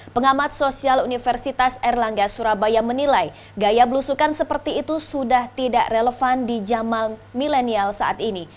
pengamat sosial universitas erlangga surabaya menilai gaya belusukan seperti itu sudah tidak relevan di jamal milenial saat ini